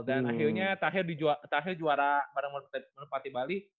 dan akhirnya terakhir juara bareng merpati bali